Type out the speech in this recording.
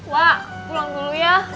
wak pulang dulu ya